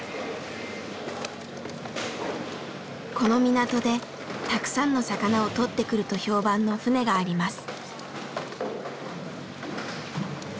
この港でたくさんの魚をとってくると評判の船があります。